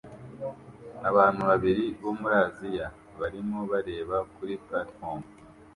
Abantu babiri bo muri Aziya barimo bareba kuri platifomu